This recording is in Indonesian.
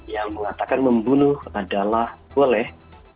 yang mengatakan membunuh adalah boleh